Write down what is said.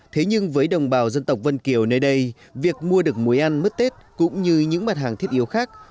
thế nhưng với đồng bào dân tộc vân kiều nơi đây việc mua được muối ăn mứt tết cũng như những mặt hàng thiết yếu khác